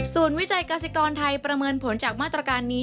ส่วนวิจัยกาสิกรไทยประเมินผลจากมาตรการนี้